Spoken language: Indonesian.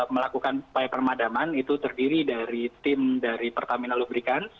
melakukan permadaman itu terdiri dari tim dari pertamina lubrikans